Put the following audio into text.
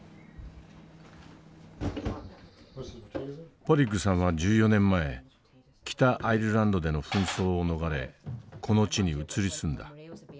ポリッグさんは１４年前北アイルランドでの紛争を逃れこの地に移り住んだ。